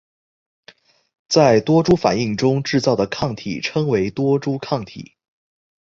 在多株反应中制造的抗体称为多株抗体。